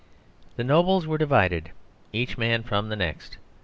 The nobles were divided, each man from the next.